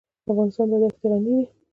افغانستان په دښتې غني دی.